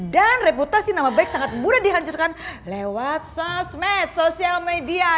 dan reputasi nama baik sangat mudah dihancurkan lewat sosmed sosial media